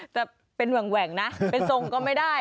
แต่เป็นหว่างแหว่งนะเป็นทรงก็ไม่ได้